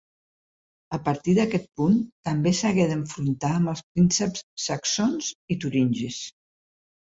A partir d'aquest punt també s'hagué d'enfrontar amb els prínceps saxons i turingis.